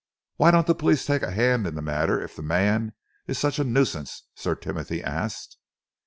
"Why don't the police take a hand in the matter if the man is such a nuisance?" Sir Timothy asked.